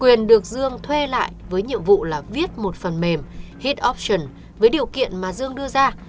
quyền được dương thuê lại với nhiệm vụ là viết một phần mềm hit option với điều kiện mà dương đưa ra